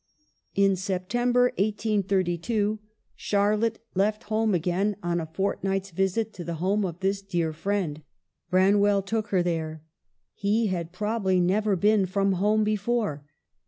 In September, 1832, Charlotte left home again on a fortnight's visit to the home of this dear friend. Branwell took her there. He had prob ably never been from home before.